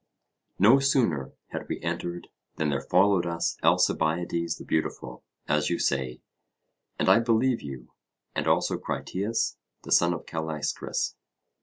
No sooner had we entered than there followed us Alcibiades the beautiful, as you say, and I believe you; and also Critias the son of Callaeschrus.